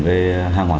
về hàng hóa